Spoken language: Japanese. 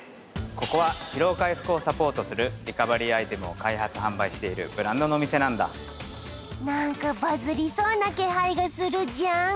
ここは疲労回復をサポートするリカバリーアイテムを開発販売しているブランドのお店なんだなんかバズりそうな気配がするじゃん